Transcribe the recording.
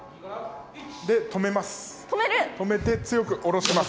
で、止めます。